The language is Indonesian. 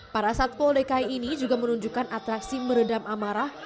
para satpol dki ini juga menunjukkan atraksi meredam amarah